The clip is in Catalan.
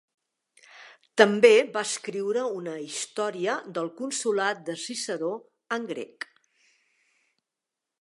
També va escriure una història del consolat de Ciceró en grec.